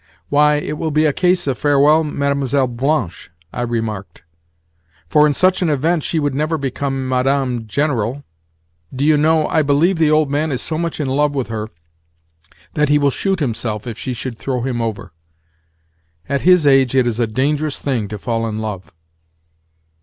"Why, it will be a case of 'Farewell, Mlle. Blanche,'" I remarked; "for in such an event she would never become Madame General. Do you know, I believe the old man is so much in love with her that he will shoot himself if she should throw him over. At his age it is a dangerous thing to fall in love."